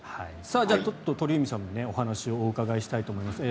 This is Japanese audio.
鳥海さんにお話をお伺いしたいと思います。